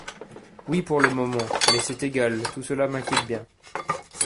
Oui, pour le moment ; mais c’est égal, tout cela m’inquiète bien.